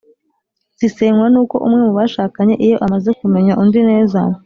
zisenywa n’uko umwe mu bashakanye iyo amaze kumenya undi neza